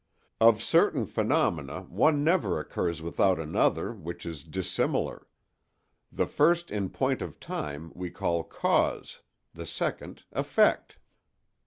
Of certain phenomena, one never occurs without another, which is dissimilar: the first in point of time we call cause, the second, effect.